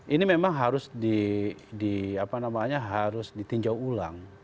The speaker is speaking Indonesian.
ini memang harus ditinjau ulang